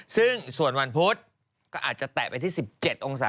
ซึ่งส่วนวันพุธก็อาจจะแตะไปที่๑๗องศา